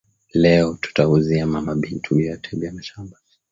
Leo tuta uzia mama bintu byote bya mashamba